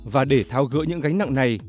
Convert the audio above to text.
và để thao gỡ những gánh nặng này